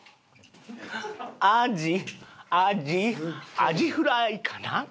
「アジアジアジフライかな？」